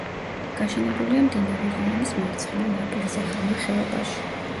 გაშენებულია მდინარე რიონის მარცხენა ნაპირზე, ღრმა ხეობაში.